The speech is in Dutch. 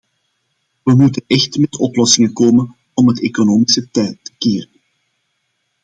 We moeten echt met oplossingen komen om het economische tij te keren.